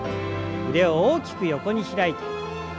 腕を大きく横に開いて。